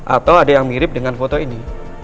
atau ada yang mirip dengan foto ini